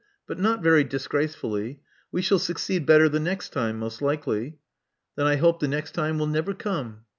But not very disgracefully. We shall succeed better the next time, most likely/* *'Then I hope the next time will never come."